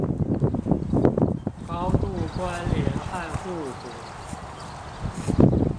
高度關聯和互補